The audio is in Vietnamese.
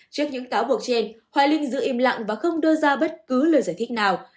trước những cáo buộc trên hoài linh giữ im lặng và không đưa ra bất cứ lời giải thích nào